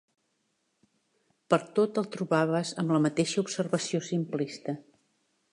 Pertot et trobaves amb la mateixa observació simplista